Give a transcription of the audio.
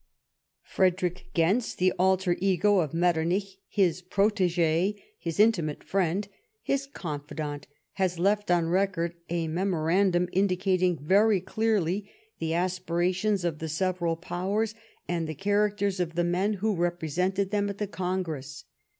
Frederick Gentz, the alter ego of IMetternich, his protege, his intimate friend, his confidant, has left on record a memorandum indicating very clearly the aspira tions of the several Powers, and the characters of the men who represented them at the Congress.